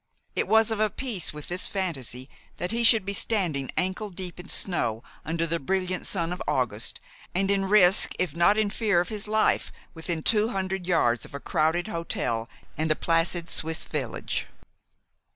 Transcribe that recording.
It was of a piece with this fantasy that he should be standing ankle deep in snow under the brilliant sun of August, and in risk, if not in fear, of his life within two hundred yards of a crowded hotel and a placid Swiss village.